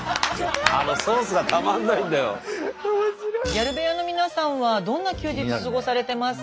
ギャル部屋の皆さんはどんな休日過ごされてますか？